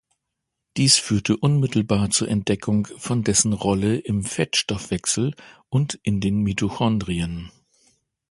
Dies führte unmittelbar zur Entdeckung von dessen Rolle im Fettstoffwechsel und in den Mitochondrien.